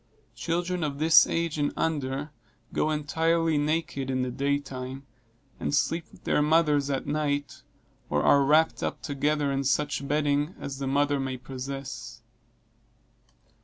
Children of this age and under, go entirely naked, in the day time, and sleep with their mothers at night, or are wrapped up together in such bedding as the mother may possess.